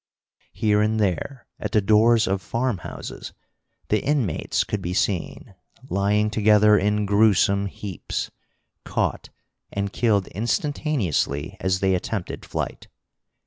Here and there, at the doors of farmhouses, the inmates could be seen, lying together in gruesome heaps, caught and killed instantaneously as they attempted flight.